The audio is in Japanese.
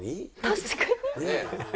確かに！